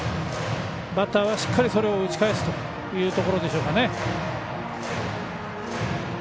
バッターはしっかりそれを打ち返すというところでしょうね。